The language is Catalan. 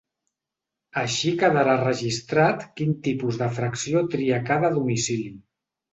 Així quedarà registrat quin tipus de fracció tria cada domicili.